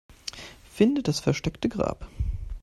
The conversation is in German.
Finde das versteckte Grab.